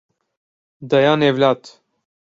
Dayan evlat.